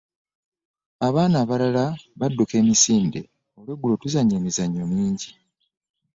Abaana abalala badduka emisinde .Olweggulo tuzannya emizannyo mingi.